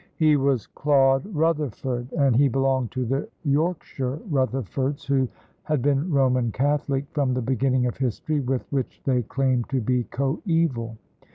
He was Claude Rutherford, and he belonged to the Yorkshire Rutherfords, who had been Roman Catholic from the beginning of history, with which they claimed to be coeval.